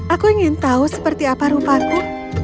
aku ingin tahu seperti apa rupaku